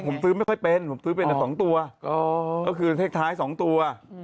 ผมซื้อไม่ค่อยเป็นผมซื้อเป็น๒ตัวก็คือเลขท้าย๒ตัว